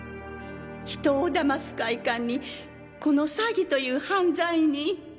人を騙す快感にこの詐欺という犯罪に。